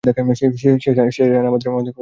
সে চায় না আমাদের কখনো একসাথে দেখা যাক।